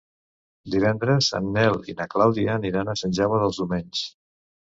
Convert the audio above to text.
Divendres en Nel i na Clàudia aniran a Sant Jaume dels Domenys.